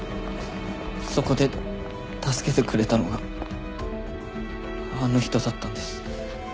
そこで助けてくれたのがあの人だったんです。